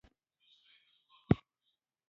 تواب سره ونه ولیده.